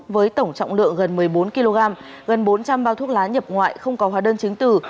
với tổng trọng lượng gần một mươi bốn kg gần bốn trăm linh bao thuốc lá nhập ngoại không có hóa đơn chứng tử